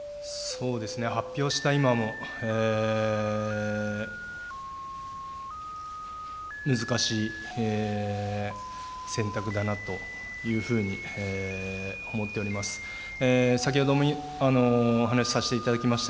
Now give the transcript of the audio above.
そうですね、発表した今も難しい選択だなというふうに思っております。